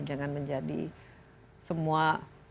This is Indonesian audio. jangan menjadi semua